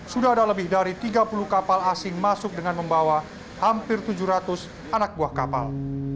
sudah ada lebih dari tiga puluh kapal asing masuk dengan membawa hampir tujuh ratus anak buah kapal